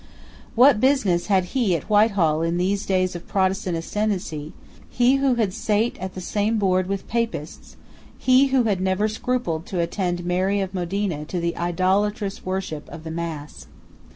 What business had he at Whitehall in these days of Protestant ascendency, he who had sate at the same board with Papists, he who had never scrupled to attend Mary of Modena to the idolatrous worship of the Mass?